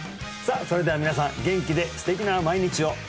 さあそれでは皆さん元気で素敵な毎日を！